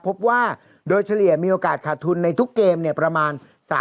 พบว่าโดยเฉลี่ยมีโอกาสขาดทุนในทุกเกมประมาณ